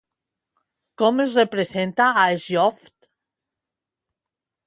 Com es representa a Sjöfn?